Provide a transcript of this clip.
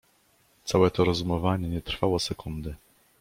"Całe to rozumowanie nie trwało sekundy."